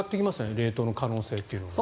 冷凍の可能性というのが。